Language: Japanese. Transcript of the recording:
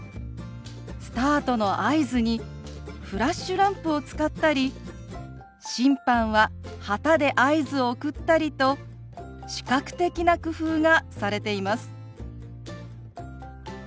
スタートの合図にフラッシュランプを使ったり審判は旗で合図を送ったりと視覚的な工夫がされています。